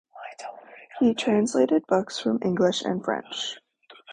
He translated books from English and French.